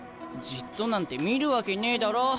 じっとなんて見るわけねえだろ。